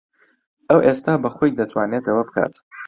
ئەو ئێستا بەخۆی دەتوانێت ئەوە بکات.